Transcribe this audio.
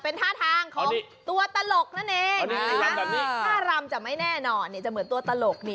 เป็นท่าทางของตัวตลกนั่นเองท่ารำจะไม่แน่นอนเนี่ยจะเหมือนตัวตลกนี่